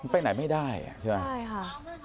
ไปไหนไม่ได้ใช่ไหมใช่ค่ะ